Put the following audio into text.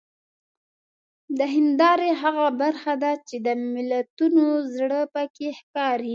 د هیندارې هغه برخه ده چې د ملتونو زړه پکې ښکاري.